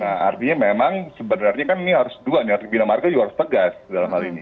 nah artinya memang sebenarnya kan ini harus dua nih artinya bina marga juga harus tegas dalam hal ini